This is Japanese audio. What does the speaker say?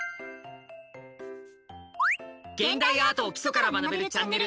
「現代アートを基礎から学べるチャンネル」